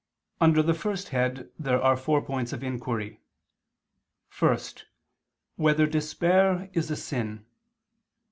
Under the first head there are four points of inquiry: (1) Whether despair is a sin?